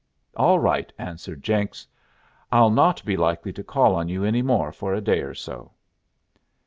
"All right," answered Jenks. "I'll not be likely to call on you any more for a day or so."